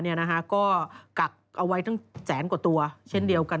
ก็กักเอาไว้ตั้งแสนกว่าตัวเช่นเดียวกัน